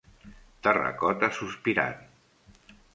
Terracota sospirant.